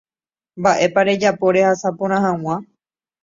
Mba'épa rejapo rehasa porã hag̃ua.